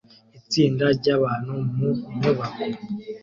Itsinda ryabantu mu nyubako